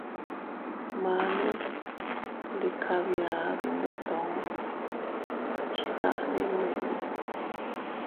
Mane ndi kabia dindetuu, a chidandi nmiñu.